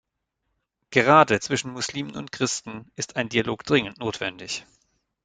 Gerade zwischen Muslimen und Christen ist ein Dialog dringend notwendig.